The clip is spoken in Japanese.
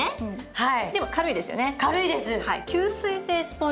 はい。